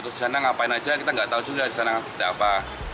terus disana ngapain aja kita nggak tahu juga disana ada apa